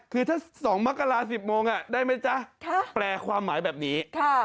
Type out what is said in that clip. คือถ้า๒มกรา๑๐โมงได้ไหมจ๊ะแปลความหมายแบบนี้